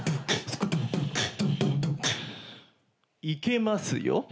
いけますよ。